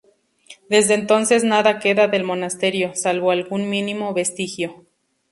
Desde entonces nada queda del monasterio, salvo algún mínimo vestigio.